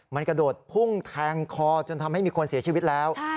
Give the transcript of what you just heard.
มันกระโดดพุ่งแทงคอจนทำให้มีคนเสียชีวิตแล้ว